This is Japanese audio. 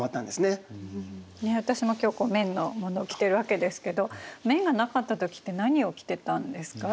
ねえ私も今日綿のものを着ているわけですけど綿がなかった時って何を着てたんですか？